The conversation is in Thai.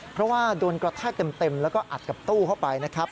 เพราะว่าโดนกระแทกเต็มแล้วก็อัดกับตู้เข้าไปนะครับ